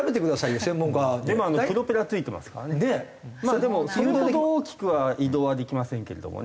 でもそれほど大きくは移動はできませんけれどもね。